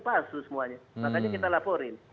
palsu semuanya makanya kita laporin